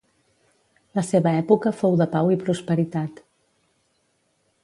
La seva època fou de pau i prosperitat.